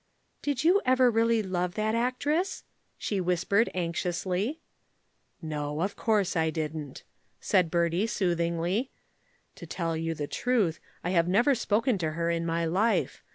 "Did you ever really love that actress?" she whispered anxiously. "No, of course I didn't," said Bertie soothingly. "To tell the truth, I have never spoken to her in my life.